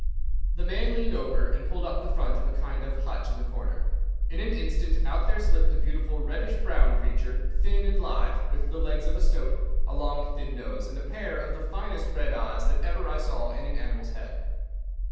The man leaned over and pulled up the front of a kind of hutch in the corner. In an instant out there slipped a beautiful reddish brown creature, thin and lithe, with the legs of a stoat, a long, thin nose, and a pair of the finest red eyes that ever I saw in an animal's head.